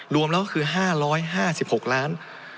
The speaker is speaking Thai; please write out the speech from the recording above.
รวมแล้วก็คือ๕๕๖ล้าน